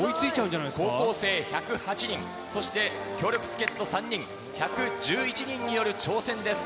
高校生１０８人、そして強力助っと３人、１１１人による挑戦です。